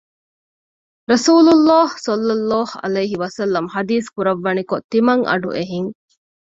ރަސޫލު ﷲ ﷺ ޙަދީޘް ކުރައްވަނިކޮށް ތިމަން އަޑު އެހިން